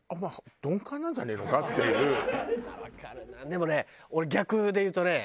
でもね。